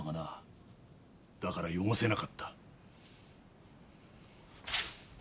だから汚せなかった。